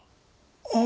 ああ。